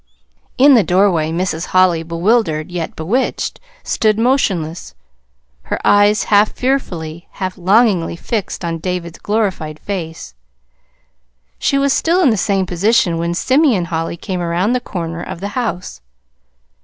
In the doorway, Mrs. Holly, bewildered, yet bewitched, stood motionless, her eyes half fearfully, half longingly fixed on David's glorified face. She was still in the same position when Simeon Holly came around the corner of the house.